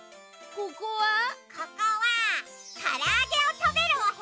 ここはからあげをたべるおへやよ。